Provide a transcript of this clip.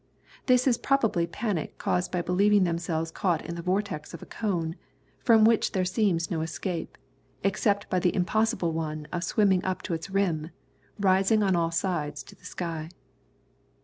This is probably panic caused by believing themselves caught in the vortex of a cone, from which there seems no escape, except by the impossible one of swimming up to its rim, rising on all sides to the sky.